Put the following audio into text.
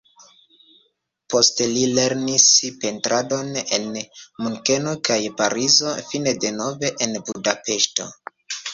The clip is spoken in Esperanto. Poste li lernis pentradon en Munkeno kaj Parizo, fine denove en Budapeŝto.